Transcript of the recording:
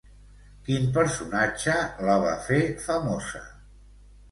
Quin personatge la va fer famosa?